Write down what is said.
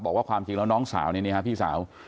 บอกว่าความจริงแล้วน้องสาวนี่นี่ฮะพี่สาว